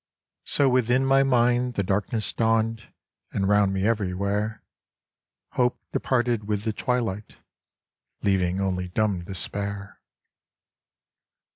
So within my mind the darkness dawned and round me everywhere Hope departed with the twilight, leaving only dumb despair.